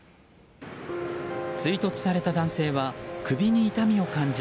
追突された男性は首に痛みを感じ